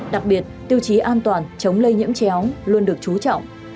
đặc biệt tiêu chí an toàn chống lây nhiễm chéo luôn được trú trọng